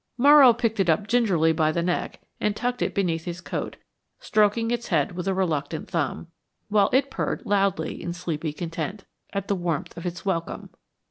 Morrow picked it up gingerly by the neck and tucked it beneath his coat, stroking its head with a reluctant thumb, while it purred loudly in sleepy content, at the warmth of its welcome.